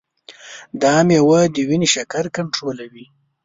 دا مېوه د وینې شکر کنټرولوي.